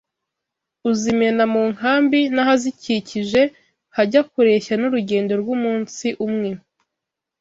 uzimena mu nkambi n’ahazikikije hajya kureshya n’urugendo rw’umunsi umwe